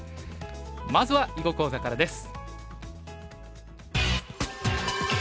まずは囲碁講座からです。